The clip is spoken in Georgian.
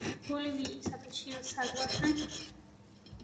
ბოლივიისა და ჩილეს საზღვართან.